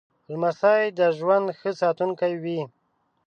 لمسی د ژوند ښه ساتونکی وي.